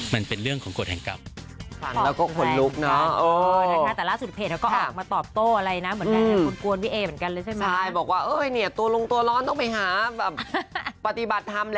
มันเป็นเรื่องของกฎแห่งกรรม